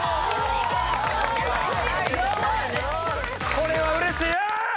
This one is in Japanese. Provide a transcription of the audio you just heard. これはうれしいイェイ！